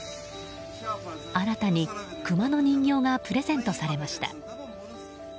新たにクマの人形がプレゼントされました。